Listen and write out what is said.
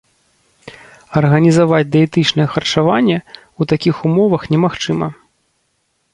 Арганізаваць дыетычнае харчаванне ў такіх умовах немагчыма.